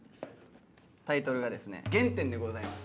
タイトルがですね『原点』でございます。